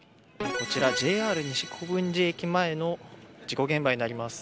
こちらＪＲ西国分寺駅前の事故現場です。